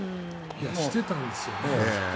してたんですよねきっと。